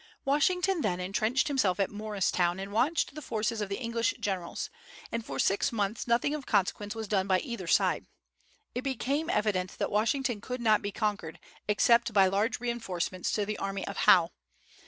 Washington then intrenched himself at Morristown and watched the forces of the English generals; and for six months nothing of consequence was done by either side. It became evident that Washington could not be conquered except by large reinforcements to the army of Howe.